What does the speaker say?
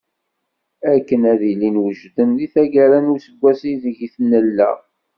Akken ad ilin wejden deg taggara n useggas ideg nella.